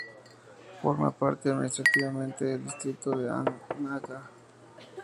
Forma parte administrativamente del distrito de Anaga.